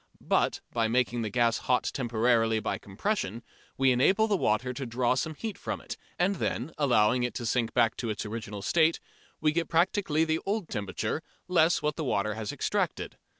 But by making the gas hot temporarily by compression we enable the water to draw some heat from it, and then, allowing it to sink back to its original state, we get practically the old temperature, less what the water has extracted.